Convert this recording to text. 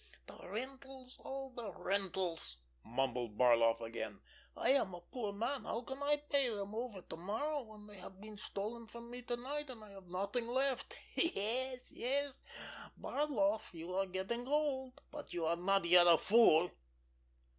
"The rentals—all the rentals!" mumbled Barloff again. "I am a poor man—how can I pay them over to morrow when they have been stolen from me to night, and I have nothing left? Yes, yes, Barloff, you are getting old, but you are not yet a fool!"